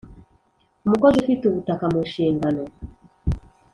Umukozi ufite ubutaka mu nshingano